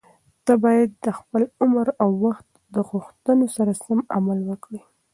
ته باید د خپل عمر او وخت د غوښتنو سره سم عمل وکړې.